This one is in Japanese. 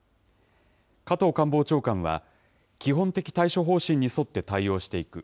加藤官房長官は、基本的対処方針に沿って対応していく。